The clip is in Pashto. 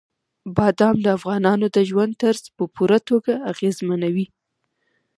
بادام د افغانانو د ژوند طرز په پوره توګه اغېزمنوي.